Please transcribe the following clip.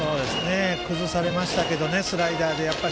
崩されましたけれどもねスライダーで。